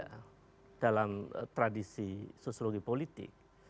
karena dalam tradisi sosiologi politik